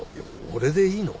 俺でいいの？